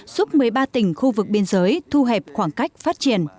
giúp một mươi ba tỉnh khu vực biên giới thu hẹp khoảng cách phát triển